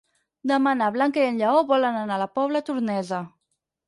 Demà na Blanca i en Lleó volen anar a la Pobla Tornesa.